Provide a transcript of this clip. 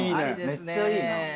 めっちゃいいな。